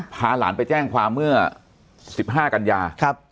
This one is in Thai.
พาหลานไปแจ้งความเมื่อ๑๕กันยา